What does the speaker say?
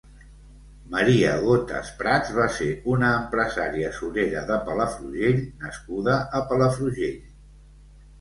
Maria Gotas Prats va ser una empresària surera de Palafrugell nascuda a Palafrugell.